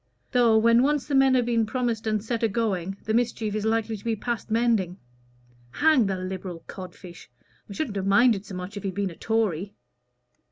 Though, when once the men have been promised and set a going, the mischief is likely to be past mending. Hang the Liberal cod fish! I shouldn't have minded so much if he'd been a Tory!"